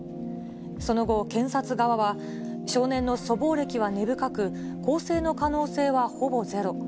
その後、検察側は、少年の粗暴歴は根深く、更生の可能性はほぼゼロ。